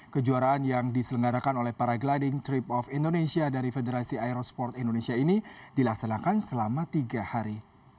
kejuaraan yang diselenggarakan oleh para gliding trip of indonesia dari federasi aerosport indonesia ini dilaksanakan selama tiga hari